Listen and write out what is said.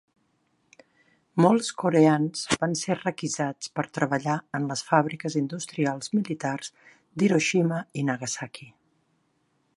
Molts coreans van ser requisats per treballar en les fàbriques industrials militars d'Hiroshima i Nagasaki.